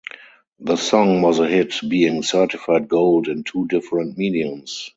The song was a hit, being certified gold in two different mediums.